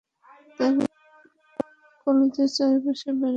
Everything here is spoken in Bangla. তারা কলেজের চারপাশে বেড়া দিয়েছে।